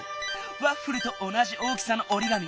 ワッフルとおなじ大きさのおりがみ。